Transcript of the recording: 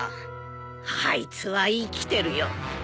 あいつは生きてるよ。